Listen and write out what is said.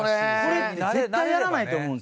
それって絶対やらないと思うんですよ。